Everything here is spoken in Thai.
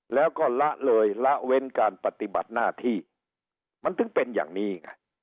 แล้วก็ละเลยละเว้นการปฏิบัติหน้าที่มันถึงเป็นอย่างนี้ไง